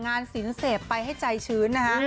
งานศิลป์เสพไปให้ใจชื้นนะฮะ